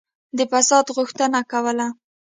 د فساد غوښتنه کوله.